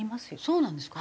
そうなんですか？